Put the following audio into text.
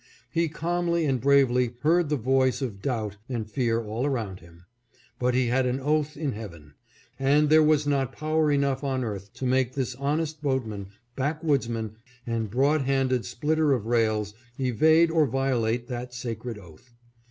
He calmly and bravely heard the voice 01 doubt and fear all around him, but he had an oath in heaven, and there was not power enough on earth to make this honest boatman, backwoodsman, and broad handed splitter of rails evade or violate that sacred oath.